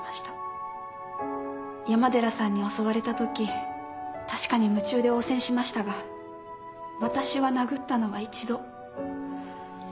山寺さんに襲われたとき確かに夢中で応戦しましたが私は殴ったのは１度。